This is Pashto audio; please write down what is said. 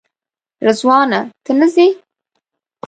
رضوانه ته نه ځې؟